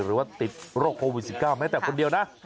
หรือว่าติดโรคโควิด๑๙แม้แต่คนเดียวนะ